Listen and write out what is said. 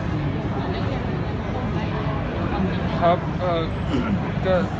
เสมอที่จะเงี้ยกครับ